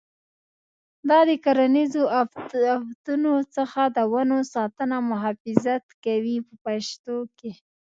دا د کرنیزو آفتونو څخه د ونو ساتنه او محافظت کوي په پښتو کې.